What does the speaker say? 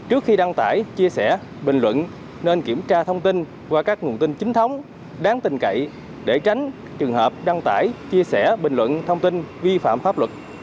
trước khi đăng tải chia sẻ bình luận nên kiểm tra thông tin qua các nguồn tin chính thống đáng tình cậy để tránh trường hợp đăng tải chia sẻ bình luận thông tin vi phạm pháp luật